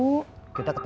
kita ketemu di jakarta